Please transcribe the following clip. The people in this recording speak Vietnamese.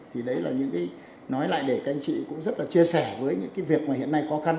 thì đấy là những cái nói lại để các anh chị cũng rất là chia sẻ với những cái việc mà hiện nay khó khăn